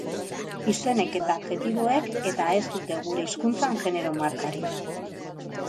Izenek eta adjektiboek eta ez dute gure hizkuntzan genero markarik.